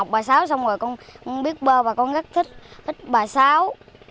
bà sáu con biết bơ và con rất thích bà sáu